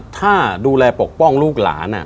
ถ้าดูแลปกป้องลูกหลาน